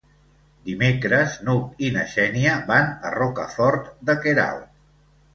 Dimecres n'Hug i na Xènia van a Rocafort de Queralt.